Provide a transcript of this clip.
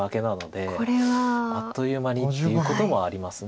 あっという間にということもあります。